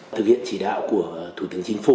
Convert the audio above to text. thực hiện chỉ đạo của thủ tướng chính phủ